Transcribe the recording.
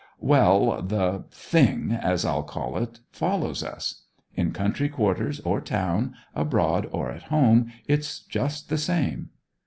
'Well; the thing, as I'll call it, follows us. In country quarters or town, abroad or at home, it's just the same.'